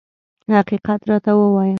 حقیقت راته ووایه.